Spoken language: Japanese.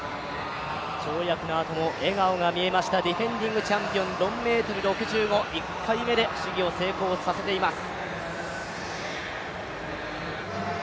跳躍のあとも笑顔も見えました、ディフェンディングチャンピオン、４ｍ６５、１回目で商業を成功させています。